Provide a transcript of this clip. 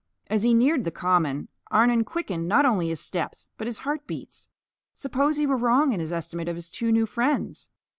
As he neared the Common, Arnon quickened not only his steps but his heartbeats. Suppose he were wrong in his estimate of his two new friends.